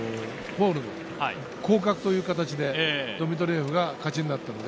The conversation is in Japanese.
降格という形でドミトリエフが勝ちになったので。